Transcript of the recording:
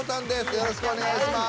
よろしくお願いします。